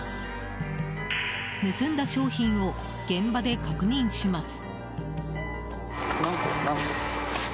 盗んだ商品を現場で確認します。